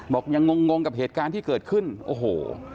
ยังงงงกับเหตุการณ์ที่เกิดขึ้นโอ้โห